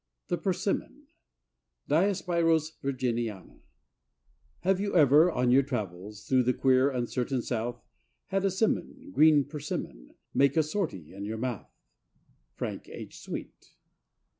THE PERSIMMON. (Diospyros virginiana.) Have you ever, On your travels Through the queer, uncertain South, Had a 'simmon— Green Persimmon— Make a sortie on your mouth? —Frank H. Sweet.